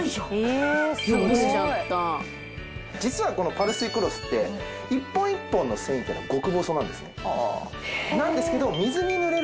実はこのパルスイクロスって１本１本の繊維っていうのは極細なんですね。